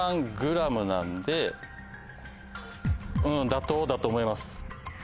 妥当だと思います。